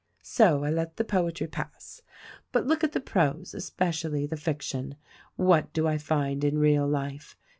"So I let the poetry pass. But look at the prose, espe cially the fiction. What do I find in real life.